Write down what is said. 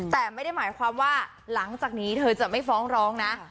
แต่ไม่ได้หมายความว่าหลังจากนี้เธอจะไม่ฟ้องร้องนะ